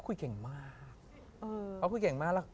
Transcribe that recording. เขามันคุยเก่งมาก